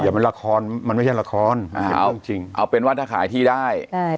อย่ามันละครมันไม่ใช่ละครเอาเอาเป็นว่าถ้าขายที่ได้ได้